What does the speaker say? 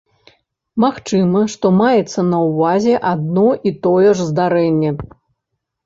Магчыма, што маецца на ўвазе адно і тое ж здарэнне.